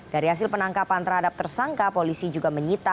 dari hasil penangkapan terhadap tersangka polisi juga menyita